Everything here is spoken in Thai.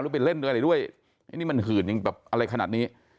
หรือไปเล่นอะไรด้วยนี่มันหื่นอย่างแบบอะไรขนาดนี้